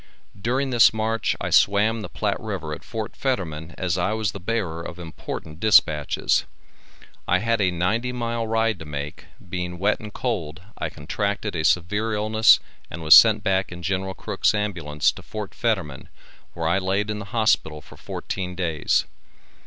During this march I swam the Platte river at Fort Fetterman as I was the bearer of important dispatches. I had a ninety mile ride to make, being wet and cold, I contracted a severe illness and was sent back in Gen. Crook's ambulance to Fort Fetterman where I laid in the hospital for fourteen days.